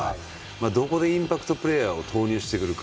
どこでインパクトプレーヤーを投入してくるか。